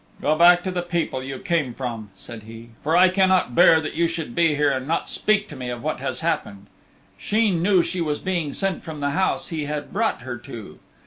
"Go back to the people you came from," said he, "for I cannot bear that you should be here, and not speak to me of what has happened." Sheen knew she was being sent from the house he had brought her to.